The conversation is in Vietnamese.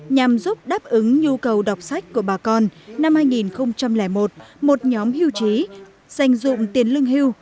nhằm giúp đáp ứng nhu cầu đọc sách của bà con năm hai nghìn một một nhóm hiêu trí dành dụng tiền lương hưu